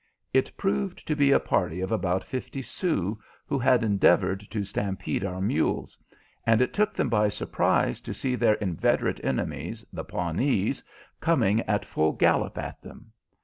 It proved to be a party of about fifty Sioux who had endeavored to stampede our mules, and it took them by surprise to see their inveterate enemies, the Pawnees, coming at full gallop at them.